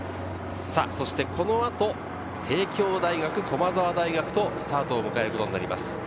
そしてこの後、帝京大学、駒澤大学とスタートを迎えることになります。